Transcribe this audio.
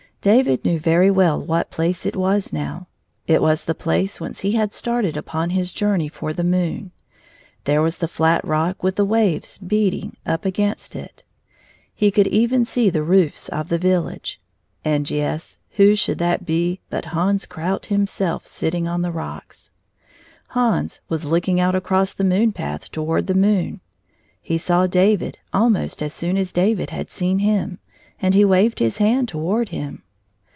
David knew very well what place it was now. It was the place whence he had started upon his journey for the moon. There was the flat rock with the waves beating 91 up against it. He could even see the roofs of the village ; and — yes — who should that be but Hans Krout himself sitting on the rocks. Hans was looking out across the moon path toward the moon. He saw David almost as soon as David had seen him, and he waved his hand toward him.